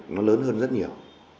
nó lớn hơn rất nhiều